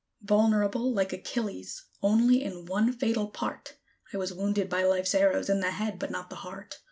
Vulnerable, like Achilles, only in one fatal part, I was wounded, by Life's arrows, in the head, but not the heart.